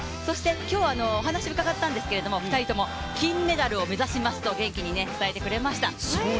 今日、話を伺ったんですけど２人とも、金メダルを目指しますと元気に伝えてくれました。